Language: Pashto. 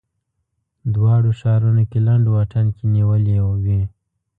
دواړو ښارونو کې لنډ واټن کې نیولې وې.